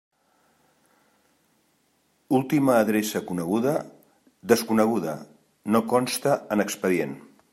Última adreça coneguda: desconeguda, no consta en expedient.